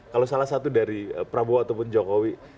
kalau salah satu dari prabowo ataupun jokowi